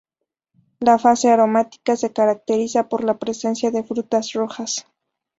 La fase aromática se caracteriza por la presencia de frutas rojas.